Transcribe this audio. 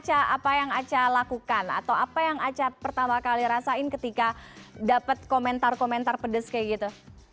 apa yang aca lakukan atau apa yang aca pertama kali rasain ketika dapat komentar komentar pedes kayak gitu